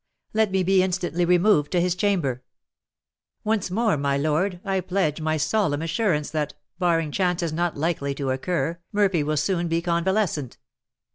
Let me be instantly removed to his chamber." "Once more, my lord, I pledge my solemn assurance, that, barring chances not likely to occur, Murphy will soon be convalescent."